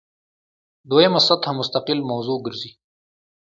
دویمه سطح مستقل موضوع ګرځي.